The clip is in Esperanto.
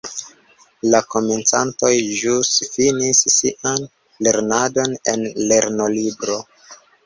La komencantoj, ĵus finis sian lernadon en lernolibro.